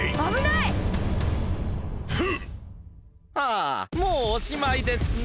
あもうおしまいですね。